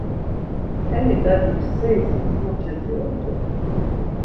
Heni Dadik seris izmoce dziremt̆u.